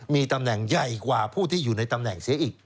มีตำแหน่งใหญ่กว่าผู้ที่อยู่ในตำแหน่งเสียอีก